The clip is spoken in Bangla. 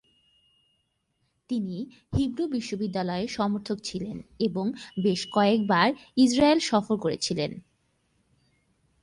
তিনি হিব্রু বিশ্ববিদ্যালয়ের সমর্থক ছিলেন এবং বেশ কয়েকবার ইজরায়েল সফর করেছিলেন।